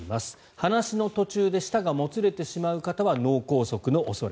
話の途中で舌がもつれてしまう方は脳梗塞の恐れ。